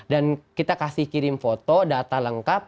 dan kita kasih kirim foto data lengkap